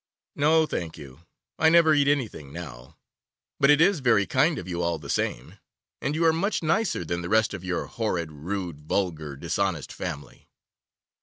'No, thank you, I never eat anything now; but it is very kind of you, all the same, and you are much nicer than the rest of your horrid, rude, vulgar, dishonest family.